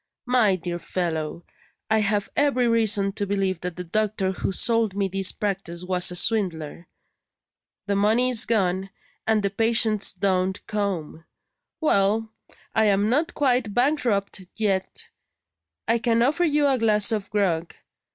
My dear fellow, I have every reason to believe that the doctor who sold me this practice was a swindler. The money is gone, and the patients don't come. Well! I am not quite bankrupt yet; I can offer you a glass of grog.